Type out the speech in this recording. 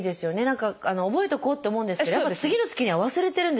何か覚えとこうって思うんですけどやっぱり次の月には忘れてるんですよね